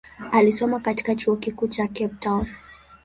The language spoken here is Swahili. Alisoma katika chuo kikuu cha Cape Town.